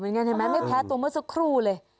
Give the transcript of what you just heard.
เหมือนกันใช่ไหมไม่แพ้ตัวเมื่อสักครู่เลย